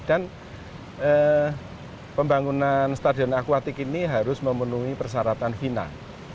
dan pembangunan stadion akuatik ini harus memenuhi persyaratan final